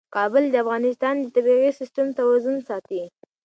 کابل د افغانستان د طبعي سیسټم توازن ساتي.